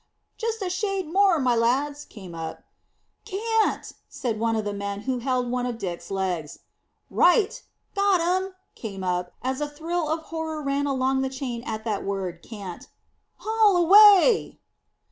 "Just a shade more, my lads," came up. "Can't!" said one of the men who held one of Dick's legs. "Right. Got him," came up, as a thrill of horror ran along the chain at that word can't. "Haul away!"